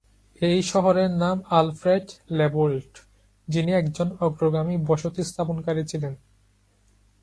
এই শহরের নাম আলফ্রেড ল্যাবোল্ট, যিনি একজন অগ্রগামী বসতি স্থাপনকারী ছিলেন।